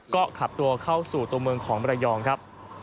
ก็ขับตัวเข้าสู่ตัวเมืองของมรยองครับ